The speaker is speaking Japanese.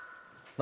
何？